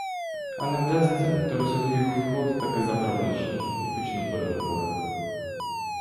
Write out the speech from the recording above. А не вдасться, то розіб'ю їх флот таки завтра вночі і почну переговори.